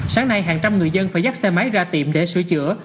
sáng nay hàng trăm người dân phải dắt xe máy ra tiệm để sửa chữa